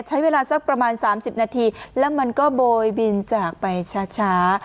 ใช้เวลาสักประมาณ๓๐นาทีแล้วมันก็โบยบินจากไปช้า